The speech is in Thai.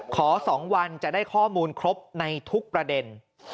ขอ๒วันจะได้ข้อมูลครบในทุกประเด็น